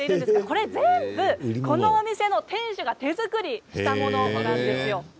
これ全部、このお店の店主が手作りしたものなんですよ。